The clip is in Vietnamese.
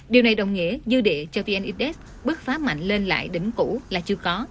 điều này đồng nghĩa dư địa cho vn index bước phá mạnh lên lại đỉnh cũ là chưa có